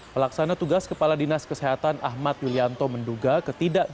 pelaksana tugas kepala dinas kesehatan ahmad yulianto menduga ketidakjubah